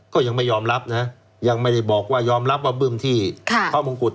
ก็ยังไม่ยอมรับนะยังไม่ได้บอกว่ายอมรับว่าบึ้มที่พระมงกุฎ